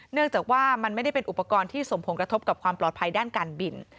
เนื่องจากว่ามันไม่ได้เป็นอุปกรณ์ที่สมผงกระทบกับความปลอดภัยด้านการบิน